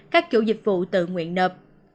các chủ dịch vụ tự nguyện nợp